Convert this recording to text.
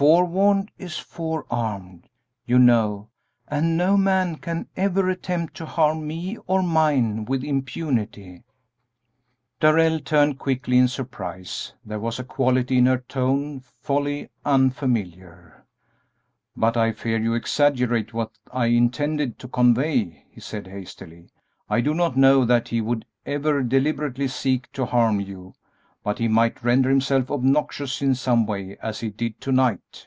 'Forewarned is forearmed,' you know, and no man can ever attempt to harm me or mine with impunity!" Darrell turned quickly in surprise; there was a quality in her tone wholly unfamiliar. "But I fear you exaggerate what I intended to convey," he said, hastily; "I do not know that he would ever deliberately seek to harm you, but he might render himself obnoxious in some way, as he did to night."